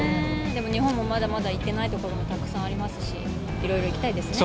でも日本もまだまだ行っていないところがたくさんありますし。